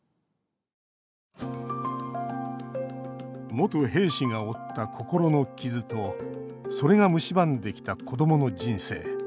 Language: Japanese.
元兵士が負った心の傷とそれがむしばんできた子どもの人生。